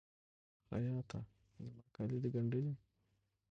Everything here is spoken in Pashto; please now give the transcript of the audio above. خیاطه! زما کالي د ګنډلي؟